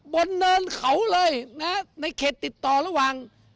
เนินเขาเลยนะฮะในเขตติดต่อระหว่าง